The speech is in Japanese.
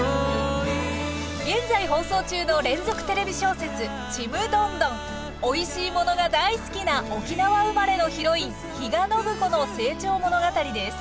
現在放送中の連続テレビ小説おいしいものが大好きな沖縄生まれのヒロイン比嘉暢子の成長物語です。